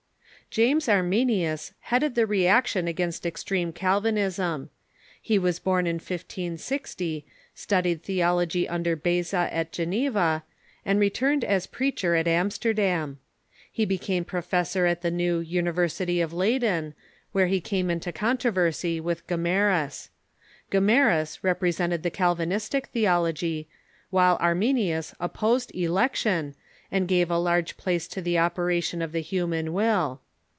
James Arminius headed the reaction against extreme Cal vinism, lie was born in 1560, studied theology under Beza ... at Geneva, and returned as preacher at Amsterdam. Arminius '^^. lie became professor at the new University of Ley den, Avhere he came into controversy with Gomarus. Gomarus represented the Calvinistic theology, while Arminius opposed election, and gave a large place to the operation of the human will.